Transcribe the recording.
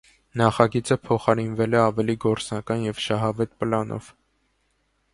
Նախագիծը փոխարինվել է ավելի գործնական և շահավետ պլանով։